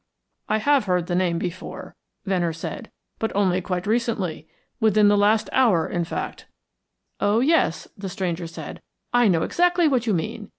"I have heard the name before," Venner said, "but only quite recently within the last hour, in fact." "Oh, yes," the stranger said, "I know exactly what you mean.